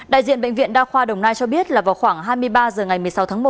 đại diện bệnh viện đa khoa đồng nai cho biết là vào khoảng hai mươi ba h ngày một mươi sáu tháng một